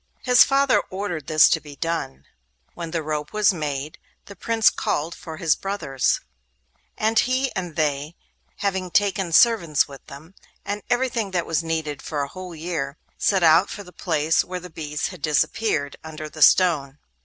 His father ordered this to be done. When the rope was made, the Prince called for his brothers, and he and they, having taken servants with them, and everything that was needed for a whole year, set out for the place where the beast had disappeared under the stone.